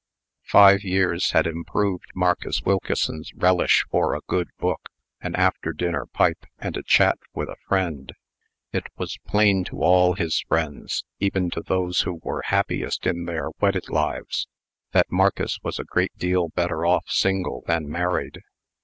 Five years had improved Marcus Wilkeson's relish for a good book, an after dinner pipe, and a chat with a friend. It was plain to all his friends even to those who were happiest in their wedded lives that Marcus was a great deal better off single than married.